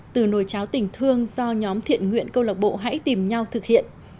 từ nồi cháo tình thương do nhóm thiện nguyện câu lạc bộ hãy tìm nhau thực hiện